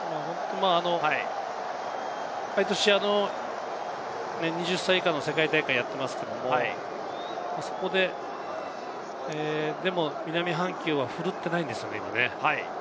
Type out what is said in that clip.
毎年２０歳以下の世界大会をやっていますけど、そこで南半球は奮っていないんですよね。